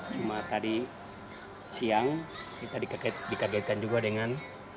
cuma tadi siang kita dikagetkan juga dengan